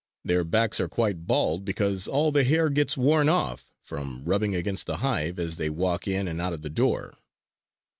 Their backs are quite bald, because all the hair gets worn off from rubbing against the hive as they walk in and out of the door.